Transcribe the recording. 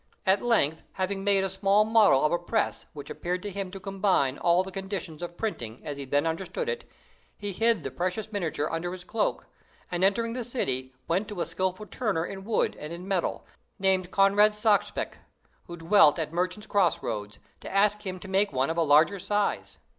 At length, having made a small model of a press which appeared to him to combine all the conditions of printing as he then understood it, he hid the precious miniature under his cloak, and, entering the city, went to a skillful turner in wood and in metal, named Conrad Sachspach, who dwelt at Merchants' Cross roads, to ask him to make one of a large size.